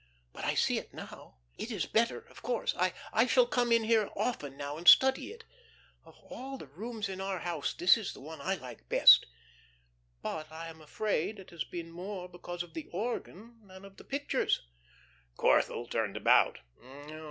But I see it now. It is better, of course. I shall come in here often now and study it. Of all the rooms in our house this is the one I like best. But, I am afraid, it has been more because of the organ than of the pictures." Corthell turned about.